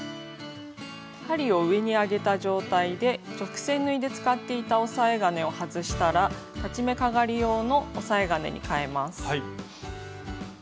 針を上に上げた状態で直線縫いで使っていた押さえ金を外したら裁ち目かがり用の押さえ金にかえます。